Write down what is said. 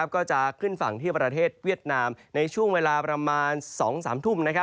ก็จะขึ้นฝั่งที่ประเทศเวียดนามในช่วงเวลาประมาณ๒๓ทุ่ม